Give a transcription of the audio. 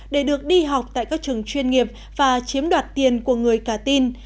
để được đi học tại các trường chuyên nghiệp và chiếm đoạt tiền của người cả tin